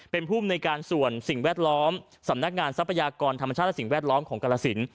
เป็นภูมิในการส่วนสิ่งแวดล้อมสำนักงานทรัพยากรธรรมชาติและสิ่งแวดล้อมของกรสิน